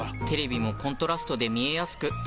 テレビもコントラストで見えやすく。